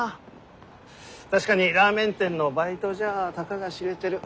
確かにラーメン店のバイトじゃたかが知れてる。